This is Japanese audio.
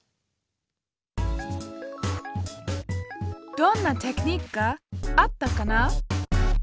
どんなテクニックがあったかな？